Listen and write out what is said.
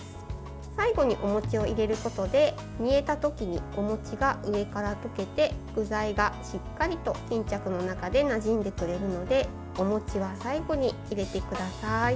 最後におもちを入れることで煮えた時におもちが上から溶けて具材がしっかりと巾着の中でなじんでくれるのでおもちは最後に入れてください。